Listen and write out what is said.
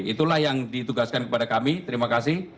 itulah yang ditugaskan kepada kami terima kasih